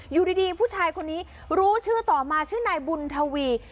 อยู่ดีผู้ชายคนนี้รู้ชื่อต่อมาชื่อนายบุญทวี